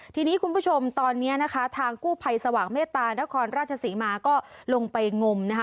ทีนี้คุณผู้ชมตอนนี้นะคะทางกู้ภัยสว่างเมตตานครราชศรีมาก็ลงไปงมนะคะ